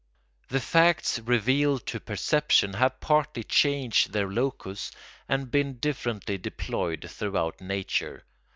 The facts revealed to perception have partly changed their locus and been differently deployed throughout nature.